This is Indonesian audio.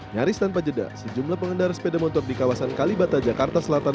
nyaris tanpa jeda sejumlah pengendara sepeda motor di kawasan kalibata jakarta selatan